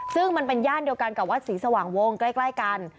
ซึ่งมันเป็นย่านเดียวกันกับวัดศรีสว่างวงใกล้กัน